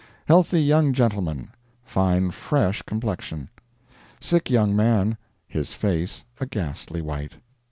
Healthy young gentleman. Fine fresh complexion. Sick young man. His face a ghastly white.